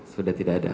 sudah tidak ada